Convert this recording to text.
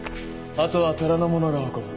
あとは寺の者が運ぶ。